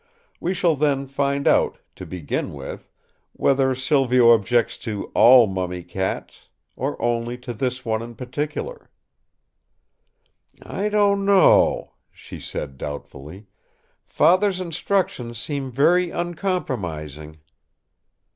We shall then find out, to begin with, whether Silvio objects to all mummy cats, or only to this one in particular." "I don't know," she said doubtfully. "Father's instructions seem very uncompromising."